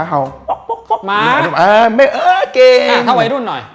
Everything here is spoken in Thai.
มีหูมีหู